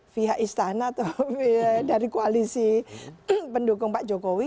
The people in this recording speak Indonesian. pihak istana atau dari koalisi pendukung pak jokowi